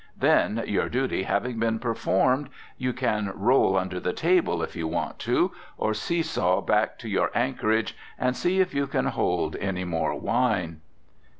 Then, your duty having been performed, you can roll under the table, if you want to, or see saw back to your anchorage, and see if you can hold any more wine.